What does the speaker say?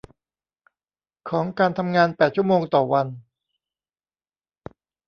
ของการทำงานแปดชั่วโมงต่อวัน